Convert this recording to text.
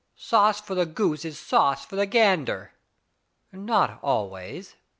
Sauce for the goose is sauce for the gander/* Not always.